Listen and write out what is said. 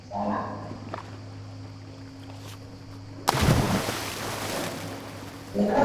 লেখাপড়ার পাট চুকিয়ে জ্যাঠাতো ভাইয়ের হাত ধরেই ঢাকায় পাড়ি জমান আবদুস সালাম।